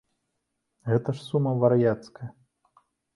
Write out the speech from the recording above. Гэта ж сума вар'яцкая.